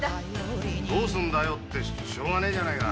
「どうする」ってしょうがねえじゃねえか。